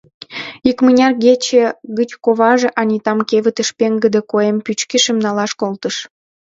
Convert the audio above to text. Икмыняр кече гыч коваже Анитам кевытыш пеҥгыде куэм пӱчкышым налаш колтыш.